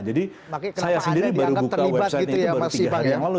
jadi saya sendiri baru buka website itu baru tiga hari yang lalu